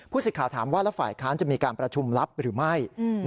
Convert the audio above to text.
สิทธิ์ถามว่าแล้วฝ่ายค้านจะมีการประชุมลับหรือไม่